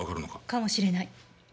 かもしれない。